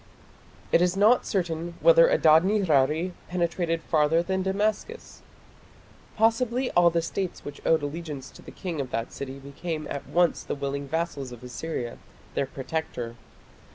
It is not certain whether Adad nirari penetrated farther than Damascus. Possibly all the states which owed allegiance to the king of that city became at once the willing vassals of Assyria, their protector.